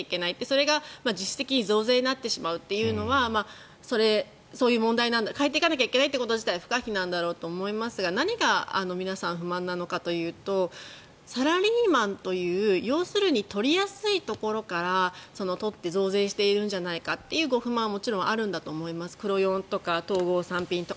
それが実質的に増税になってしまうというのはそういう問題変えていかなきゃいけないこと自体不可避なんだろうと思いますが何が皆さん、不満なのかというとサラリーマンという、要するに取りやすいところから取って増税しているんじゃないかという不満ももちろんあるんだと思います。